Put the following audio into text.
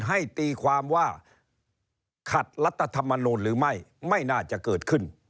ให้ตีความว่าขัดรัฐธรรมนูลหรือไม่ไม่น่าจะเกิดขึ้น